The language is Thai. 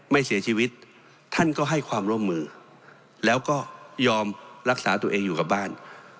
ไม่เสียชีวิตท่านก็ให้ความร่วมมือแล้วก็ยอมรักษาตัวเองอยู่กับบ้าน